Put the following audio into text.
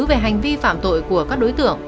về hành vi phạm tội của các đối tượng